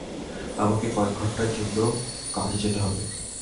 আমাকে কয়েকঘন্টার জন্য কাজে যেতে হবে।